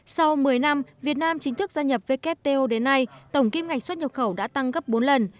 sau một mươi năm việt nam chính thức gia nhập wto đến nay tổng kim ngạch xuất nhập khẩu đã tăng gấp bốn lần